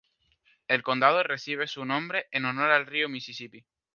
El condado recibe su nombre en honor al río Misisipi.